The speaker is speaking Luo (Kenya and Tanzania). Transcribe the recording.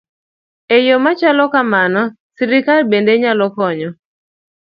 E yo ma chalo kamano, sirkal bende nyalo konyo